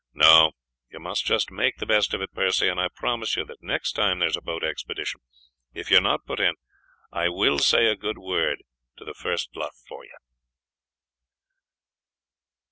No, you must just make the best of it, Percy, and I promise you that next time there is a boat expedition, if you are not put in, I will say a good word to the first luff for you."